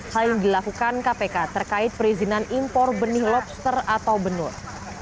hal yang dilakukan kpk terkait perizinan impor benih lobster atau benur